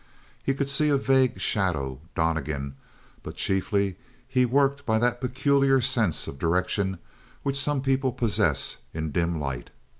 He could see a vague shadow Donnegan; but chiefly he worked by that peculiar sense of direction which some people possess in a dim light.